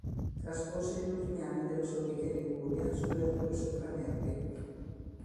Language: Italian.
Trascorse gli ultimi anni della sua vita in Liguria, sulle alture sopra Nervi.